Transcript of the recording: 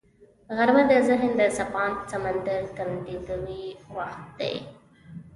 غرمه د ذهن د څپاند سمندر تمېدو وخت دی